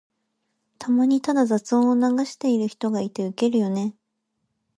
たまにただ雑音を流してる人がいてウケるよね。